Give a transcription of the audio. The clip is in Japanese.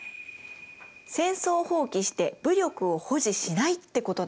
戦争を放棄して武力を保持しないってことだよね。